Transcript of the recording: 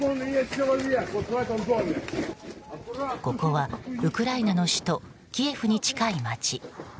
ここはウクライナの首都キエフに近い街。